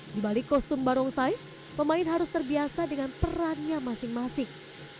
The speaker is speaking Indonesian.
di balik kostum barongsai pemain harus terbiasa dengan perannya masing masing